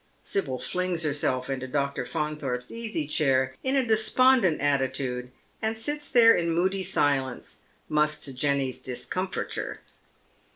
Sibyl flings herself into Dr. Faunthorpe's easy chair in a de spondent attitude, and sits there in moody silence, much to Jenny's discomfiture.